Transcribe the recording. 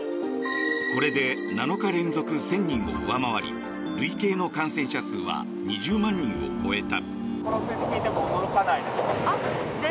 これで７日連続１０００人を上回り累計の感染者数は２０万人を超えた。